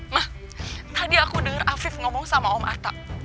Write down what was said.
ma tadi aku dengar hafif ngomong sama om arta